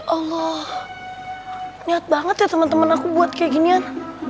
allah lihat banget ya teman teman aku buat kayak ginian